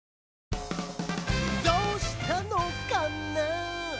どうしたのかな？